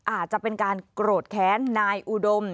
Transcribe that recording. อาจจะเป็นการโกรธแค้นนายอุดม